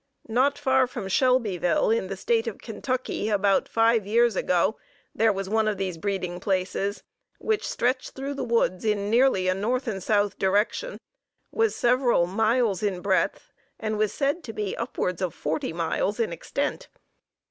Not far from Shelbyville, in the State of Kentucky, about five years ago, there was one of these breeding places, which stretched through the woods in nearly a north and south direction; was several miles in breadth, and was said to be upwards of forty miles in extent!